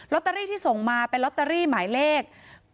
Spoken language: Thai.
ล็อตตารี่ที่ส่งมาเป็นล็อตตารี่หมายเลข๘๓๕๖๕๒